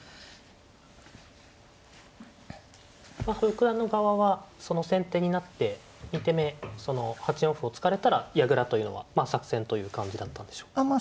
羽生九段の側はその先手になって２手目８四歩を突かれたら矢倉というのはまあ作戦という感じだったんでしょうか。